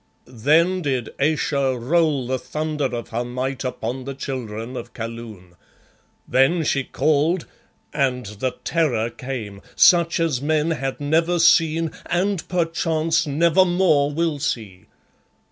Then did Ayesha roll the thunder of her might upon the Children of Kaloon. Then she called, and the Terror came, such as men had never seen and perchance never more will see.